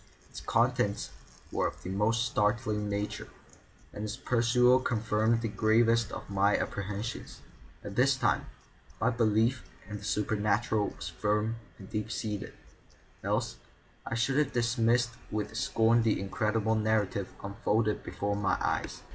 Its contents were of the most startling nature, and its perusal confirmed the gravest of my apprehensions. At this time, my belief in the supernatural was firm and deep seated, else I should have dismissed with scorn the incredible narrative unfolded before my eyes.